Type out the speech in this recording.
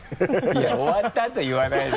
いや終わったあと言わないで。